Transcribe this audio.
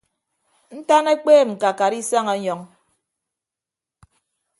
Ntan ekpeep ñkakat isañ ọnyọñ.